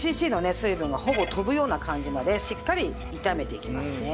水分がほぼ飛ぶような感じまでしっかり炒めていきますね。